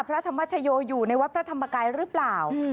พระธรรมชโยอยู่ในวัดพระธรรมกายหรือเปล่า